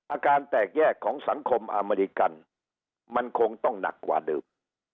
อาการแตกแยกของสังคมอเมริกันมันคงต้องหนักกว่าเดิม